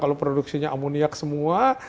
kalau produksinya amoniak semua